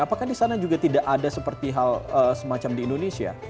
apakah di sana juga tidak ada seperti hal semacam di indonesia